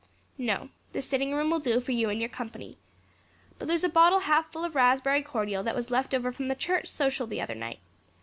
"No. The sitting room will do for you and your company. But there's a bottle half full of raspberry cordial that was left over from the church social the other night.